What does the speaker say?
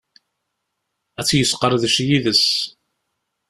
Ad tt-yesqerdec yid-s.